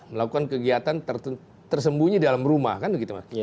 melakukan kegiatan tersembunyi dalam rumah kan begitu mas